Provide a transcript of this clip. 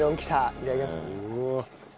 いただきます。